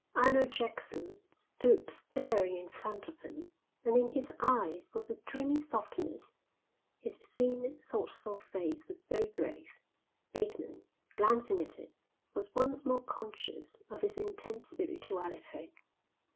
Arnold Jackson stood staring in front of him, and in his eyes was a dreamy softness. His thin, thoughtful face was very grave. Bateman, glancing at it, was once more conscious of its intense spirituality.